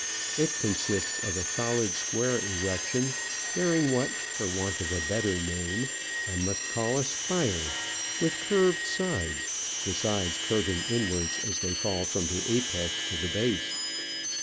It consists of a solid square erection, bearing what, for want of a better name, I must call a spire, with curved sides, the sides curving inwards as they fall from the apex to the base.